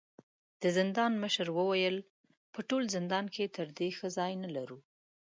د زندان مشر وويل: په ټول زندان کې تر دې ښه ځای نه لرو.